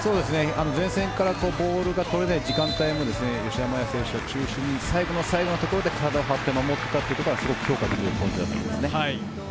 前線からボールが取れない時間帯も吉田麻也選手を中心に最後の最後のところで守ったというのが評価できるポイントだと思います。